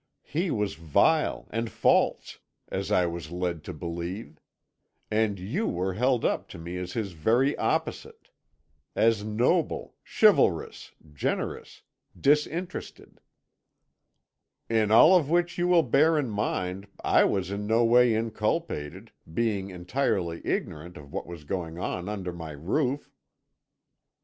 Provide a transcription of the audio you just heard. He was vile and false, as I was led to believe; and you were held up to me as his very opposite, as noble, chivalrous, generous, disinterested ' "'In all of which you will bear in mind, I was in no way inculpated, being entirely ignorant of what was going on under my roof.'